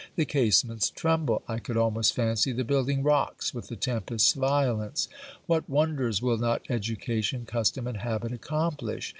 The casements tremble. I could almost fancy the building rocks with the tempest's violence. What wonders will not education, custom, and habit accomplish!